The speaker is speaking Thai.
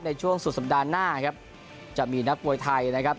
ในช่วงสุดสัปดาห์หน้าครับจะมีนักมวยไทยนะครับ